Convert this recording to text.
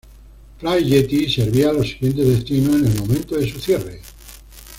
Fly Yeti servía a los siguientes destinos en el momento de su cierre.